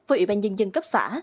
với ủy ban nhân dân cấp xã